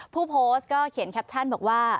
ผู้โพสต์ก็เขียนแคปชั่นบอกว่า